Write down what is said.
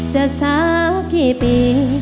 สักกี่ปี